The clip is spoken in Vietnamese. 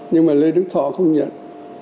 nhưng mà lê đức thọ không nhận